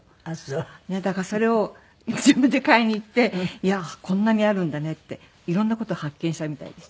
だからそれを自分で買いに行っていやあこんなにあるんだねっていろんな事を発見したみたいです。